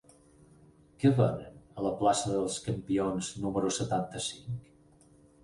Què venen a la plaça dels Campions número setanta-cinc?